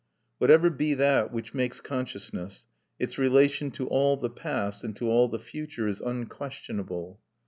Whatever be that which makes consciousness, its relation to all the past and to all the future is unquestionable.